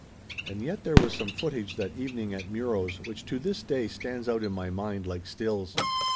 And yet there was some footage that evening at Muro's which to this day stands out in my mind like stills.